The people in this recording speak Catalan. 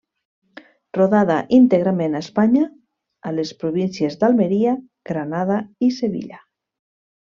Rodada íntegrament a Espanya a les províncies d'Almeria, Granada i Sevilla.